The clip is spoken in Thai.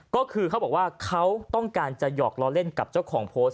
ก็คือเขาบอกว่าเขาต้องการจะหยอกล้อเล่นกับเจ้าของโพสต์